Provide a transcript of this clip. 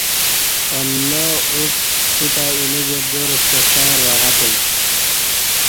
اللہ اُݩڅ توتہ اینہ گرجار ستہ خیر وگہ تم